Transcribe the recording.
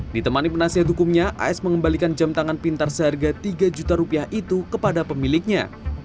ditemani penasihat hukumnya as mengembalikan jam tangan pintar seharga tiga juta rupiah itu kepada pemiliknya